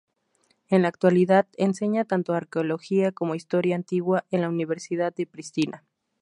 En la actualidad enseña tanto arqueología como historia antigua en la Universidad de Pristina.